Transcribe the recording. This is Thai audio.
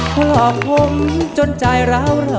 หลอกห่มจนใจล้อ